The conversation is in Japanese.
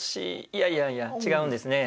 いやいやいや違うんですね。